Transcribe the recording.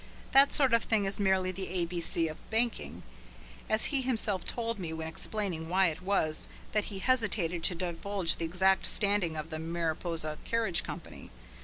That sort of thing is merely the A B C of banking, as he himself told me when explaining why it was that he hesitated to divulge the exact standing of the Mariposa Carriage Company.